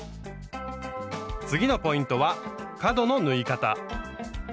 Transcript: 次のポイントは角の縫い方。